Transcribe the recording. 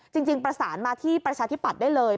จริงประสานมาที่ประชาธิปัตย์ได้เลย